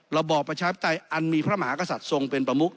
ระบอบประชาปิ์ใต่อันมิพระมหาขสัตว์ส่งเป็นประมุข